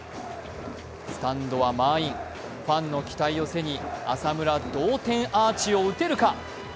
スタンドは満員、ファンの期待を背に浅村、同点アーチを打てるか？